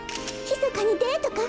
ひそかにデートか！？